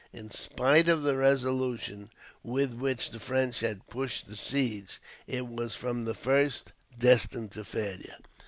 In spite of the resolution with which the French had pushed the siege, it was, from the first, destined to failure.